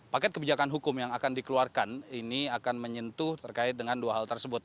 paket kebijakan hukum yang akan dikeluarkan ini akan menyentuh terkait dengan dua hal tersebut